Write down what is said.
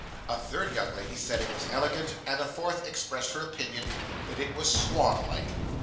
A third young lady said it was elegant, and a fourth expressed her opinion that it was 'swan like.